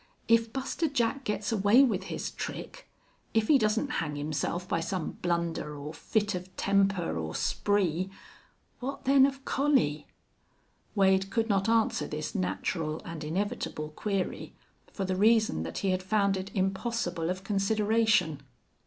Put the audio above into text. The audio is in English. If Buster Jack gets away with his trick if he doesn't hang himself by some blunder or fit of temper or spree what then of Collie?" Wade could not answer this natural and inevitable query for the reason that he had found it impossible of consideration.